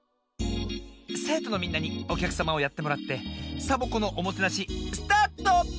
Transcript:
せいとのみんなにおきゃくさまをやってもらってサボ子のおもてなしスタート！